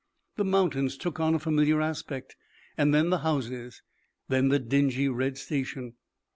The mountains took on a familiar aspect, then the houses, then the dingy red station.